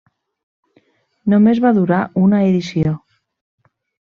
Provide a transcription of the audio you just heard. Només va durar una edició.